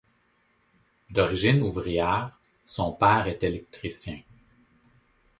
D'origine ouvrière, son père est électricien.